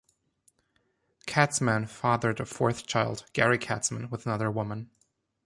Katzman fathered a fourth child, Gary Katzman, with another woman.